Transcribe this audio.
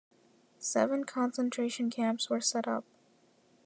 Seven concentration camps were set up.